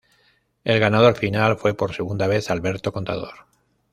El ganador final fue por segunda vez Alberto Contador.